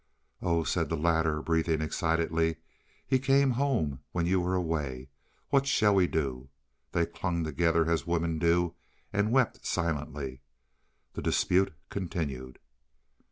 "Oh," said the latter, breathing excitedly, "he came home when you were away. What shall we do?" They clung together, as women do, and wept silently. The dispute continued.